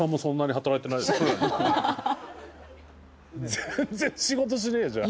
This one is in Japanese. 全然仕事しねえじゃん。